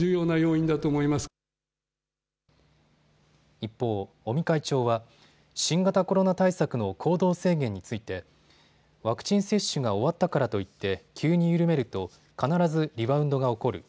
一方、尾身会長は新型コロナ対策の行動制限についてワクチン接種が終わったからといって急に緩めると必ずリバウンドが起こる。